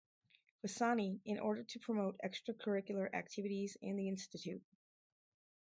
Vasani in order to promote extra curricular activities in the institute.